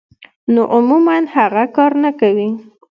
نو عموماً هغه کار نۀ کوي -